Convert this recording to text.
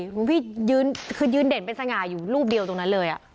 หลวงพี่ยืนคือยืนเด่นเป็นสง่าอยู่รูปเดียวตรงนั้นเลย